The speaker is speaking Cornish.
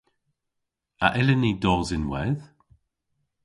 A yllyn ni dos ynwedh?